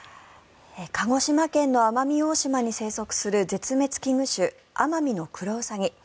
鹿児島県の奄美大島に生息する絶滅危惧種アマミノクロウサギ。